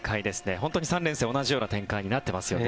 本当に３連戦、同じような展開になってますよね。